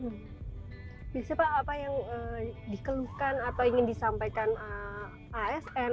biasa pak apa yang dikeluhkan atau ingin disampaikan asn